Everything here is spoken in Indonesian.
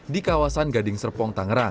di kawasan gading serpong tangerang